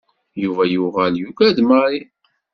Yuba yuɣal yugad Mary.